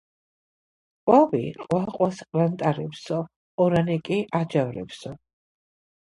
.ყვავი ყვა-ყვას ყრანტალებსო, ყორანი კი აჯავრებსო.